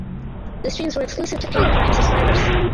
The streams were exclusive to paid Prime subscribers.